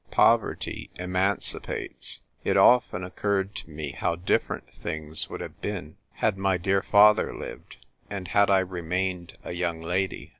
Poverty emancipates. It often occurred to me how different things would have been had my dear father lived, and had I remained a young lady.